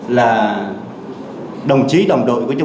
lan sóng dịch thứ ba